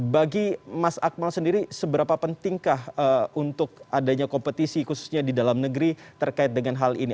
bagi mas akmal sendiri seberapa pentingkah untuk adanya kompetisi khususnya di dalam negeri terkait dengan hal ini